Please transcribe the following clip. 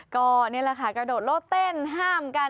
ก็นี่แหละค่ะกระโดดโลดเต้นห้ามกัน